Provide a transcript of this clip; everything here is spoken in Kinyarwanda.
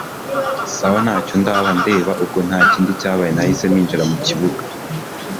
sawa ntacyo ndaba ndeba! ubwo ntakindi cyabaye nahise ninjira mukibuga